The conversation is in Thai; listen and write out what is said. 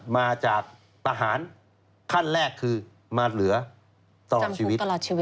มาจากประหารขั้นแรกคือมาเหลือตลอดชีวิตตลอดชีวิต